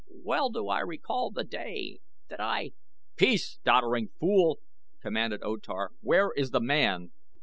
Well do I recall that day that I " "Peace, doddering fool!" commanded O Tar. "Where is the man?"